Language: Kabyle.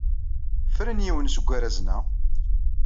Fren yiwen seg warrazen-a.